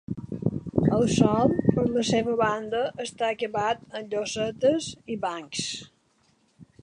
El sòl per la seva banda està acabat en llosetes i bancs.